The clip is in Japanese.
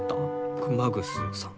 熊楠さん。